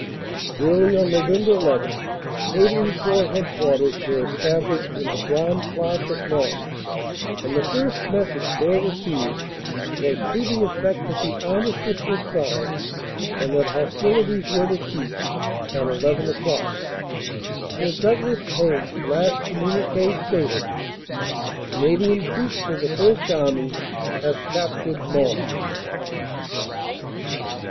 "Early on Nov. 11 Canadian Corps Headquarters were CAPTURE OF MONS 389 established in the Grande Place at Mons and the first message there received was to the effect that the armistice was signed and that hostilities were to cease at 1 1 o clock. "Sir Douglais Haig s last communique stated, Canadian troops of the First Army have captured Mons.